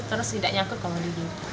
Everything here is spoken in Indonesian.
terus tidak nyangkut kalau di sini